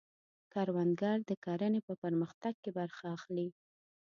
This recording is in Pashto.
کروندګر د کرنې په پرمختګ کې برخه اخلي